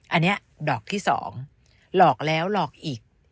อันนี้ดอกที่๒หลอกแล้วหลอกอีก